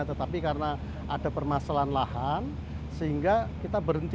tetapi karena ada permasalahan lahan sehingga kita berhenti